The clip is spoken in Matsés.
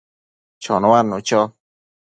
chonuadnu cho